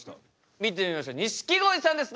見てみましょう錦鯉さんですどうぞ！